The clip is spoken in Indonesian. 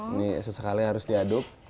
ini sesekali harus diaduk